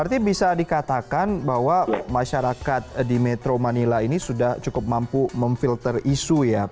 berarti bisa dikatakan bahwa masyarakat di metro manila ini sudah cukup mampu memfilter isu ya